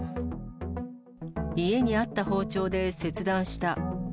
家にあった包丁で切断した。